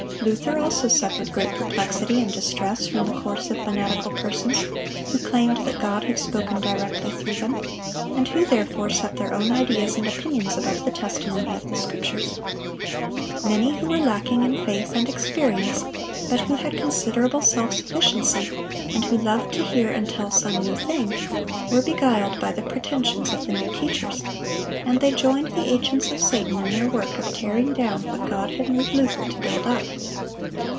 Luther also suffered great perplexity and distress from the course of fanatical persons who claimed that God had spoken directly through them, and who therefore set their own ideas and opinions above the testimony of the Scriptures. Many who were lacking in faith and experience, but who had considerable self sufficiency, and who loved to hear and tell some new thing, were beguiled by the pretensions of the new teachers, and they joined the agents of Satan in their work of tearing down what God had moved Luther to build up.